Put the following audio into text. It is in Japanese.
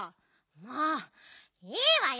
もういいわよ！